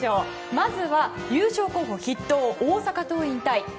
まずは優勝候補筆頭大阪桐蔭対